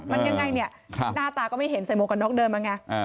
มันยังไงเนี่ยหน้าตาก็ไม่เห็นใส่หมวกกันน็อกเดินมาไง